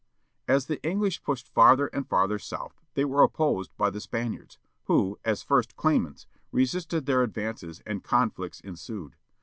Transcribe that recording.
As the English pushed farther and farther south they were opposed by the Spaniards, who, as first claimants, resisted their advances and conflicts ensued.